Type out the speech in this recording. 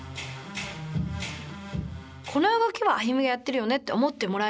この動きはＡＹＵＭＩがやってるよねって思ってもらえるような。